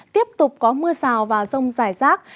hộp có mưa rào và rông rải rác